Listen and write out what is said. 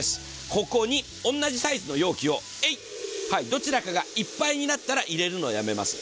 ここに同じサイズの容器を、どちらかがいっぱいになったら入れるのをやめます。